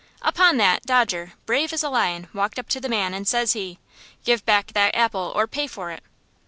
"Upon that, Dodger, brave as a lion, walked up to the man, and, says he: "'Give back that apple, or pay for it!'